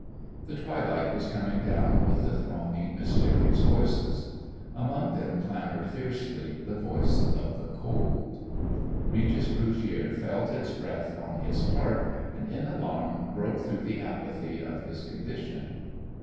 The twilight was coming down with thronging mysterious voices. Among them clamoured fiercely the voice of the cold. Regis Brugiere felt its breath on his heart, and, in alarm, broke through the apathy of his condition.